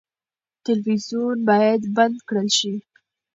تلویزیون باید بند کړل شي.